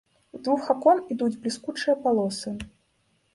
З двух акон ідуць бліскучыя палосы.